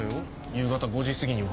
夕方５時すぎには。